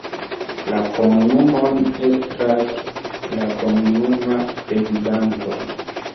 La komunumon estras la komunuma prezidanto.